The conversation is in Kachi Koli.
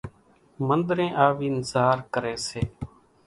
منۮرين آوين زار ڪري سي